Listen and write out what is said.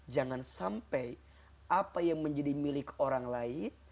jangan sampai apa yang menjadi milik orang lain